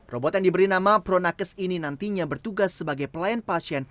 robot yang diberi nama pronakes ini nantinya bertugas sebagai pelayan pasien